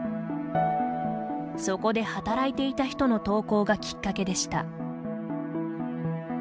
そこで働いていた人の投稿がきっかけでした。